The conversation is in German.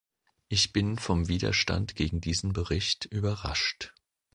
Ich bin vom Widerstand gegen diesen Bericht überrascht.